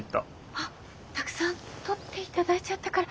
あったくさん撮っていただいちゃったから。